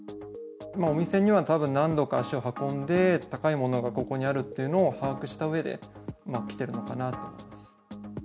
お店にはたぶん何度か足を運んで、高いものがここにあるっていうのを把握したうえで、来てるのかなと思います。